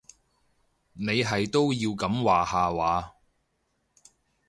你係都要噉下話？